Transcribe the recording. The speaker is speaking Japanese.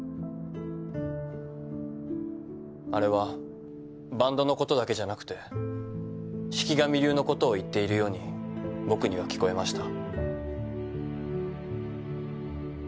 あれはバンドのことだけじゃなくて四鬼神流のことを言っているように僕には聞こえました。